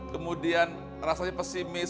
kemudian rasanya pesimis